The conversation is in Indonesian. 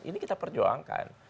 ini kita perjuangkan